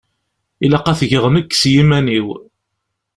Ilaq ad t-geɣ nekk s yiman-iw.